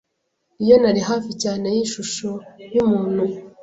Iyo nari hafi cyane yishusho yumuntu